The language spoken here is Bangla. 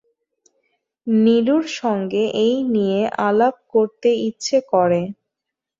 নীলুর সঙ্গে এই নিয়ে আলাপ করতে ইচ্ছে করে।